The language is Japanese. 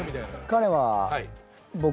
彼は。